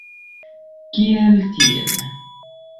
Kial tiel?